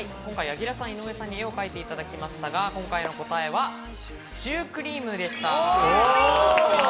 柳楽さん、井上さんに絵を描いていただきましたが、今回の答えはシュークリームでした。